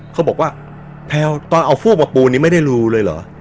เขาบอกว่าแพลวตอนเอาพวกมาปูนนี้ไม่ได้รูเลยเหรอ